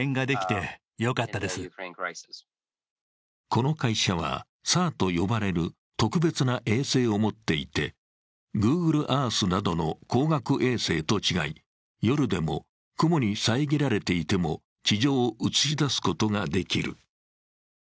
この会社はＳＡＲと呼ばれる特別な衛星を持っていて、ＧｏｏｇｌｅＥａｒｔｈなどの光学衛星と違い、夜でも、雲に遮られていても地上を映し出すことができる。